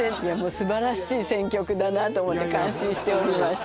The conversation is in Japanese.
素晴らしい選曲だなと思って感心しておりました